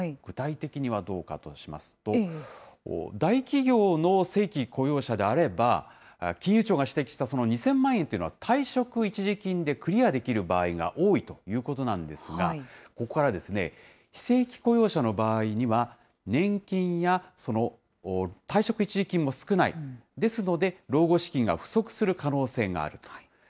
具体的にどうかとしますと、大企業の正規雇用者であれば、金融庁が指摘した２０００万円というのは、退職一時金でクリアできる場合が多いということなんですが、ここから、非正規雇用者の場合には、年金や退職一時金も少ない、ですので、老後資金が不足する可能性があると。